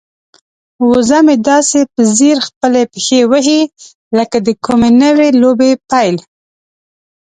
وزه مې داسې په ځیر خپلې پښې وهي لکه د کومې نوې لوبې پیل.